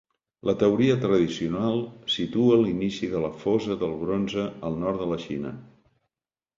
La teoria tradicional situa l'inici de la fosa del bronze al nord de la Xina.